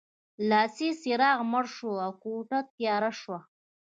لاسي څراغ مړ شو او کوټه تیاره شوه